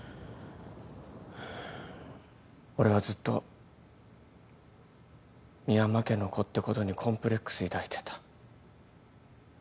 俺はずっと深山家の子ってことにコンプレックス抱いてた。